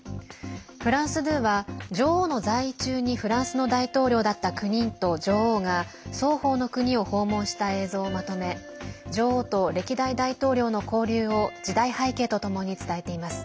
フランス２は女王の在位中にフランスの大統領だった９人と女王が双方の国を訪問した映像をまとめ女王と歴代大統領の交流を時代背景とともに伝えています。